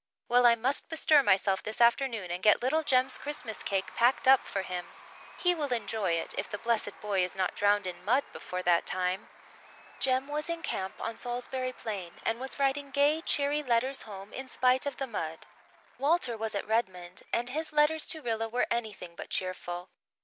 Well, I must bestir myself this afternoon and get little Jem's Christmas cake packed up for him. He will enjoy it, if the blessed boy is not drowned in mud before that time." Jem was in camp on Salisbury Plain and was writing gay, cheery letters home in spite of the mud. Walter was at Redmond and his letters to Rilla were anything but cheerful.